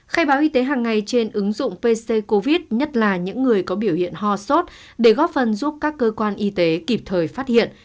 khai báo y tế hàng ngày trên ứng dụng pc covid nhất là những người có biểu hiện ho sốt để góp phần giúp các cơ quan y tế kịp thời phát hiện